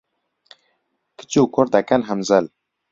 کچ و کوڕ دەکەن هەمزەل